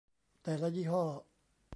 แต่ละยี่ห้อ